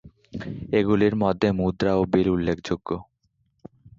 এগুলির মধ্যে মুদ্রা ও বিল উল্লেখযোগ্য।